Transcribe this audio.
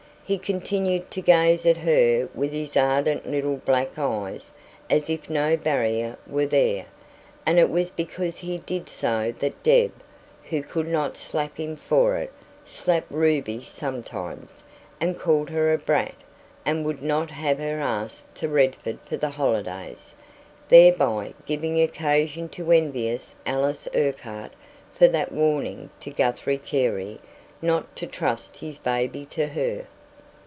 He continued to gaze at her with his ardent little black eyes as if no barrier were there. And it was because he did so that Deb, who could not slap him for it, slapped Ruby sometimes, and called her a brat, and would not have her asked to Redford for the holidays; thereby giving occasion to envious Alice Urquhart for that warning to Guthrie Carey not to trust his baby to her.